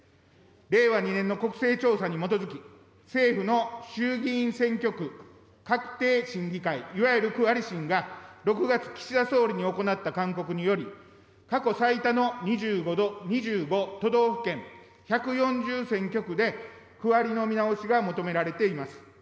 令和２年の国勢調査に基づき、政府の衆議院選挙区画定審議会、いわゆる区割り審が、６月、岸田総理に行った勧告により、過去最多の２５都道府県１４０選挙区で、区割りの見直しが求められています。